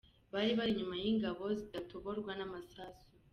Bari bari inyuma y’ingabo zidatoborwa n’amasasu.